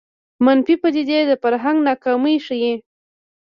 منفي پدیدې د فرهنګ ناکامي ښيي